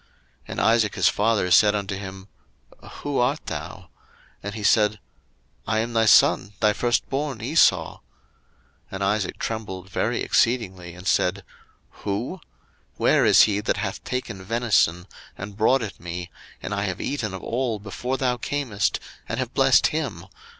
01:027:032 And Isaac his father said unto him, Who art thou? And he said, I am thy son, thy firstborn Esau. 01:027:033 And Isaac trembled very exceedingly, and said, Who? where is he that hath taken venison, and brought it me, and I have eaten of all before thou camest, and have blessed him?